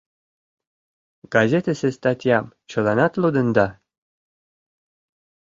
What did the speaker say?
— Газетысе статьям чыланат лудында?